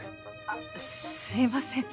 あっすいません。